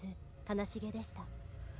「悲しげでした」